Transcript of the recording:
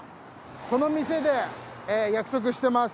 この店で約束してます。